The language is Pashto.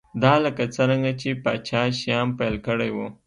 دا لکه څرنګه چې پاچا شیام پیل کړی و